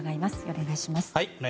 お願いします。